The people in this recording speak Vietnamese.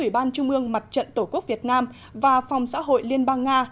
đoàn cấp cao ủy ban trung mương mặt trận tổ quốc việt nam và phòng xã hội liên bang nga